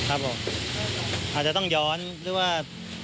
อาจจะต้องย้อนหรือว่า